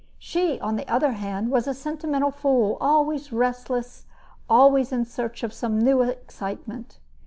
She, on the other hand, was a sentimental fool, always restless, always in search of some new excitement.